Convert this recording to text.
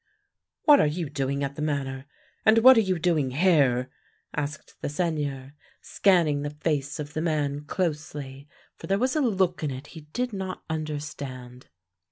" What are you doing at the manor, and what are you doing here?" asked the Seigneur, scanning the face of the man closely, for there was a look in it he did not understand.